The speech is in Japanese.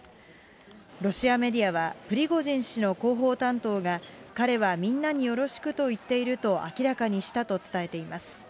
ロシアメディアは、プリゴジン氏の広報担当が、彼はみんなによろしくと言っていると明らかにしたと伝えています。